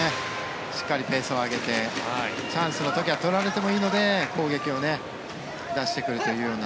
しっかりペースを上げてチャンスの時は取られてもいいので攻撃を出してくるというような。